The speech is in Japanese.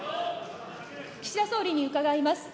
岸田総理に伺います。